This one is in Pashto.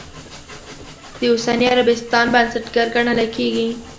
د اوسني عربستان بنسټګر ګڼلی کېږي.